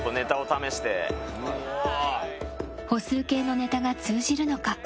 歩数計のネタが通じるのか。